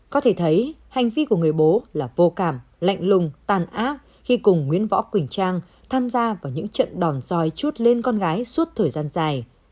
có thể thấy hành vi của người bố là vô cảm lạnh lùng tàn ác khi cùng nguyễn võ quỳnh trang tham gia vào những trận đòn roi chút lên con gái suốt thời gian dài